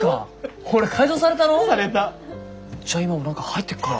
じゃあ今も何か入ってっかな。